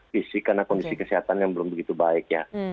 fisik karena kondisi kesehatan yang belum begitu baik ya